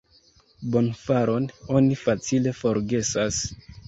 Bonfaron oni facile forgesas.